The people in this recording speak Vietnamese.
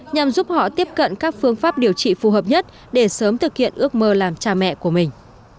nhằm giúp họ tiếp cận các phương pháp điều trị phù hợp nhất để sớm thực hiện ước mơ làm cha mẹ của mình